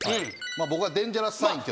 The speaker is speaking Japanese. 僕はデンジャラスサインって。